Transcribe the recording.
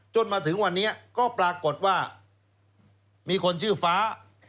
จนถึงวันนี้ก็ปรากฏว่ามีคนชื่อฟ้า